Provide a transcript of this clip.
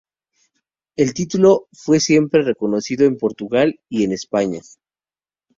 El título fue siempre reconocido en Portugal y en España.